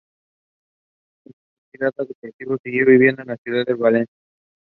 Tras su retirada deportiva siguió viviendo en la ciudad de Palencia.